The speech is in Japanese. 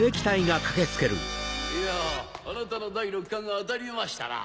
いやあなたの第六感が当たりましたな。